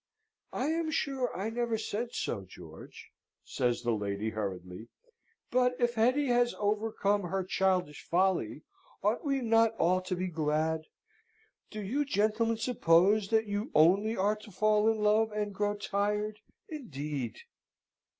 "I am sure I never said so, George," says the lady, hurriedly. "But if Hetty has overcome her childish folly, ought we not all to be glad? Do you gentlemen suppose that you only are to fall in love and grow tired, indeed?"